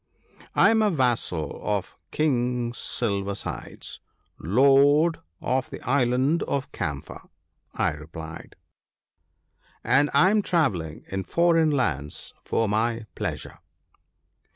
" I am a vassal of King Silver sides, Lord of the Island of Camphor," I replied, "and I am travelling in foreign lands for my pleasure."